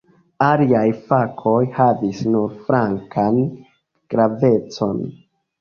Aliaj fakoj havis nur flankan gravecon.